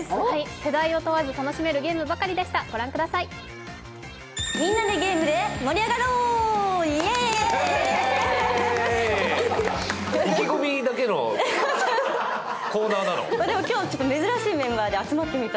世代を問わず楽しめるゲームばかりでした。